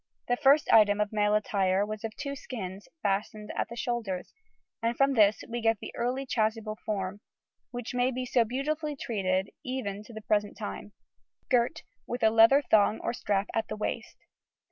_] The first item of male attire was of two skins fastened at the shoulders, and from this we get the early chasuble form (which may be so beautifully treated, even to the present time), girt with a leather thong or strap at the waist.